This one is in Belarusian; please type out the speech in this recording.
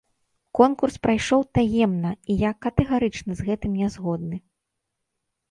Конкурс прайшоў таемна, і я катэгарычна з гэтым не згодны.